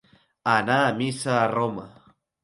Anar a missa a Roma.